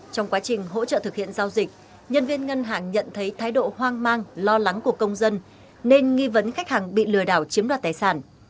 trong quá trình hỗ trợ thực hiện giao dịch nhân viên ngân hàng nhận thấy thái độ hoang mang lo lắng của công dân nên nghi vấn khách hàng bị lừa đảo chiếm đoạt tài sản